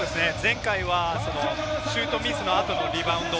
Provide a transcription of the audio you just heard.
前回はシュートミスの後のリバウンド。